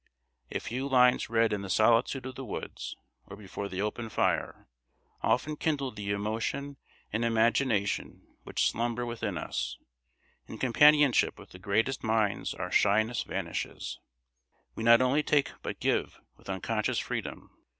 A few lines read in the solitude of the woods, or before the open fire, often kindle the emotion and imagination which slumber within us; in companionship with the greatest minds our shyness vanishes; we not only take but give with unconscious freedom.